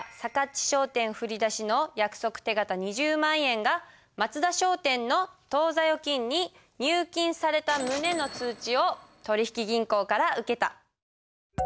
ち商店振り出しの約束手形２０万円が松田商店の当座預金に入金された旨の通知を取引銀行から受けた。